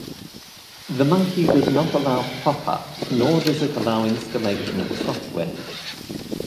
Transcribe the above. The monkey does not allow pop-ups, nor does it allow installation of software.